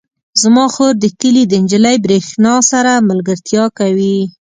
زما خور د کلي د نجلۍ برښنا سره ملګرتیا کوي.